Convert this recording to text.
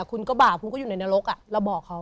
คุณก็บาปคุณก็อยู่ในนรกเราบอกเขา